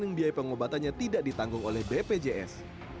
yang biaya pengobatannya tidak ditanggung oleh bpjs